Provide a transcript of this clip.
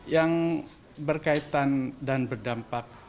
yang berkaitan dan berdampak